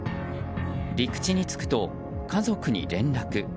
陸地につくと、家族に連絡。